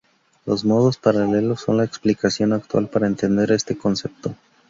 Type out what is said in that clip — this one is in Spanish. Los modos paralelos son la explicación actual para entender este concepto.